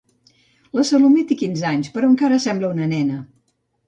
La Salomé té quinze anys però encara sembla una nena.